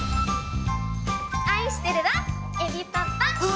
愛してるわ、えびパパ。